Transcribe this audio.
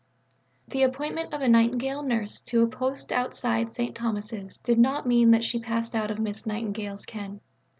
The appointment of a Nightingale Nurse to a post outside St. Thomas's did not mean that she passed out of Miss Nightingale's ken.